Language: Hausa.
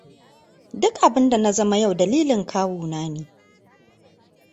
Duk abinda na zama yau dalilin kawuna ne.